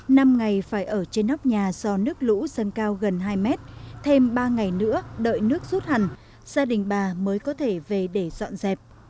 năm ngày phải ở trên nóc nhà do nước lũ dâng cao gần hai mét thêm ba ngày nữa đợi nước rút hẳn gia đình bà mới có thể về để dọn dẹp